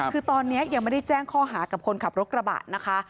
คือตอนนี้ยังไม่ได้แจ้งข้อหากับคนขับรถกระบะนะคะ